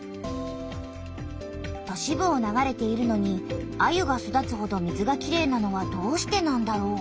都市部を流れているのにアユが育つほど水がきれいなのはどうしてなんだろう？